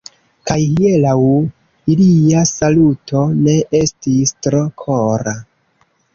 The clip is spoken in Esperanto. Kaj hieraŭ ilia saluto ne estis tro kora.